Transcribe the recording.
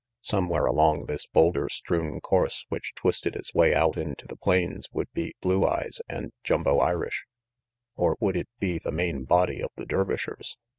Somewhere along this boulder strewn course which twisted its way out to the plains would be Blue Eyes and Jumbo Irish; or would it be the main body of the Dervishers?